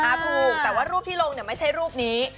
อ่าถูกแต่แน็ตที่ลงนี่ไม่ใช่รูปนี้